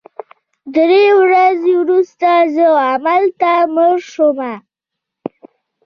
درې ورځې وروسته زه همالته مړ شوم